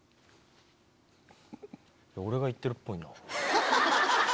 俺が言ってるっぽいな。